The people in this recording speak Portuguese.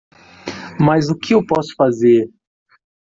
Mas o que eu posso fazer?